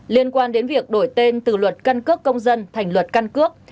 liên quan đến việc đổi tên từ luật căn cước công dân thành luật căn cước